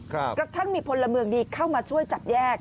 กระทั่งมีพลเมืองดีเข้ามาช่วยจับแยก